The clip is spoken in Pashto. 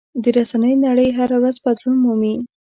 د رسنیو نړۍ هره ورځ بدلون مومي.